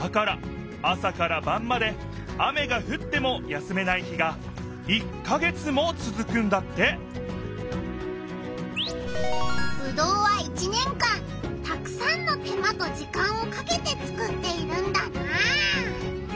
だから朝からばんまで雨がふっても休めない日が「１か月」もつづくんだってぶどうは１年間たくさんの手間と時間をかけてつくっているんだなあ。